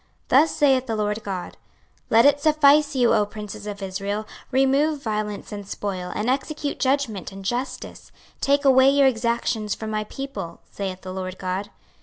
26:045:009 Thus saith the Lord GOD; Let it suffice you, O princes of Israel: remove violence and spoil, and execute judgment and justice, take away your exactions from my people, saith the Lord GOD.